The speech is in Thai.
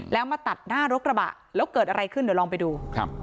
แล้วมาตัดหน้ารถกระบะแล้วเกิดอะไรขึ้นเดี๋ยวลองไปดูครับ